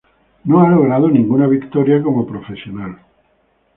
No ha logrado ninguna victoria como profesional.